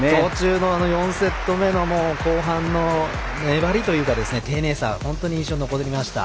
４セット目の後半の粘りというか丁寧さが印象に残りました。